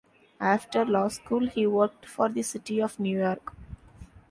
After law school, he worked for the City of New York.